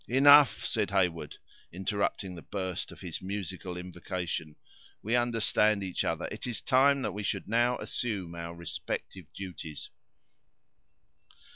"Enough," said Heyward, interrupting the burst of his musical invocation; "we understand each other; it is time that we should now assume our respective duties."